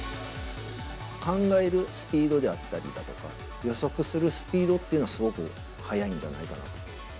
考えるスピードであったりだとか、予測するスピードっていうのがすごく速いんではないかなと。